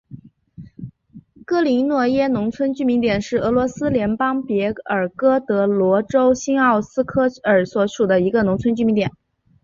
格林诺耶农村居民点是俄罗斯联邦别尔哥罗德州新奥斯科尔区所属的一个农村居民点。